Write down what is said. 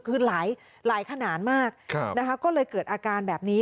คือหลายขนาดมากนะคะก็เลยเกิดอาการแบบนี้